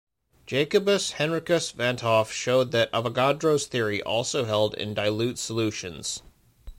Jacobus Henricus van 't Hoff showed that Avogadro's theory also held in dilute solutions.